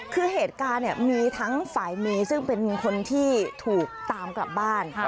คือเหตุการณ์เนี่ยมีทั้งฝ่ายเมซึ่งเป็นคนที่ถูกตามกลับบ้าน